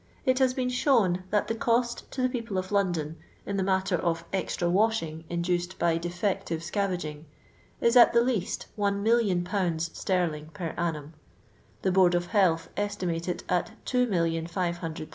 It has been shown, that the cost to the people of London, in the matter of extra washing induced by defective scavaging, is at the least 1,000,000^ sterling per annum (the Board of Health estimate it nt 2,500,000